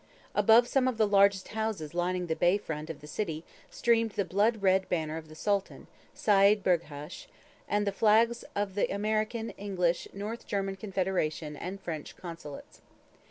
Above some of the largest houses lining the bay front of the city streamed the blood red banner of the Sultan, Seyd Burghash, and the flags of the American, English, North German Confederation, and French Consulates.